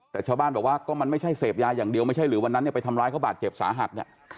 แต่ชาวบ้านบอกว่าก็มันไม่ใช่เสพยาอย่างเดียวไม่ใช่หรือวันนั้นเนี่ยไปทำร้ายเขาบาดเจ็บสาหัส